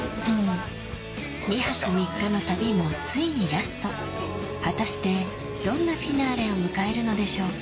２泊３日の旅もついにラスト果たしてどんなフィナーレを迎えるのでしょうか？